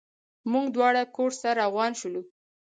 موږ دواړه کورس ته روان شولو.